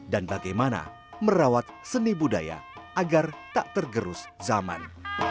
dan bagaimana merawat seni budaya agar tak tergerus zaman